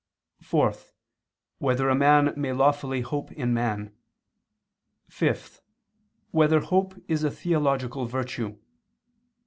(4) Whether a man may lawfully hope in man? (5) Whether hope is a theological virtue?